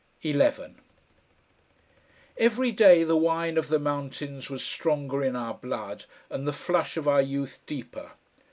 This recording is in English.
11 Every day the wine of the mountains was stronger in our blood, and the flush of our youth deeper.